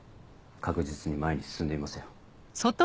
確実に前に進んでいますよ。